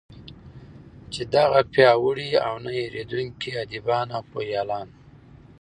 چې دغه پیاوړي او نه هیردونکي ادېبان او پوهیالان